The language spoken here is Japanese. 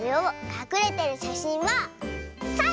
かくれてるしゃしんはサイ！